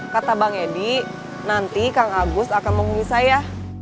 kata bang edi nanti kang agus akan menghubungi saya